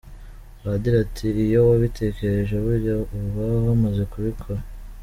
Padiri ati “Iyo wabitekereje burya uba wamaze kubikora.